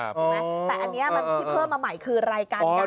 ครับรู้มั้ยแต่อันนี้ที่เพิ่มมาใหม่คือรายการดัง